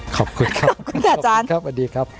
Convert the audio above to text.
ขอบคุณครับขอบคุณค่ะอาจารย์ครับสวัสดีครับ